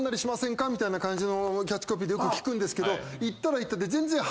みたいな感じのキャッチコピーよく聞くんですけど。